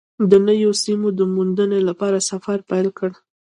د نویو سیمو د موندنې لپاره سفر پیل کړ.